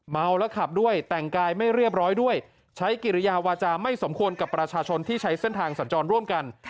เมาแล้วขับด้วยแต่งกายไม่เรียบร้อยด้วยใช้กิริยาวาจาไม่สมควรกับประชาชนที่ใช้เส้นทางสัญจรร่วมกัน